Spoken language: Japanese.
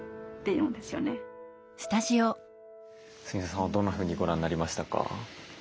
ＳＵＧＩＺＯさんはどんなふうにご覧になりましたか？